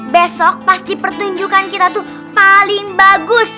besok pasti pertunjukan kita tuh paling bagus